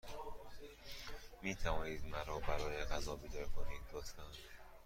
می توانید مرا برای غذا بیدار کنید، لطفا؟